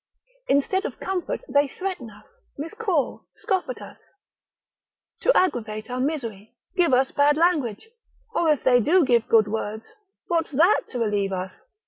Instead of comfort they threaten us, miscall, scoff at us, to aggravate our misery, give us bad language, or if they do give good words, what's that to relieve us?